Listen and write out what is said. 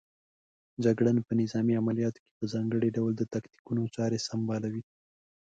جګړن په نظامي عملیاتو کې په ځانګړي ډول د تاکتیکونو چارې سنبالوي.